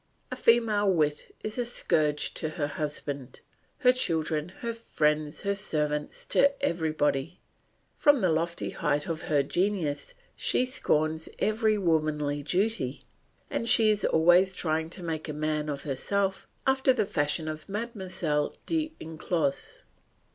A female wit is a scourge to her husband, her children, her friends, her servants, to everybody. From the lofty height of her genius she scorns every womanly duty, and she is always trying to make a man of herself after the fashion of Mlle. de L'Enclos.